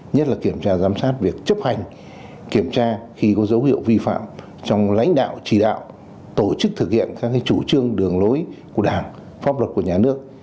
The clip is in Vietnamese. nhất là kiểm tra giám sát việc chấp hành kiểm tra khi có dấu hiệu vi phạm trong lãnh đạo chỉ đạo tổ chức thực hiện các chủ trương đường lối của đảng pháp luật của nhà nước